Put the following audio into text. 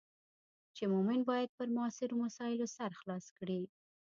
چې مومن باید پر معاصرو مسایلو سر خلاص کړي.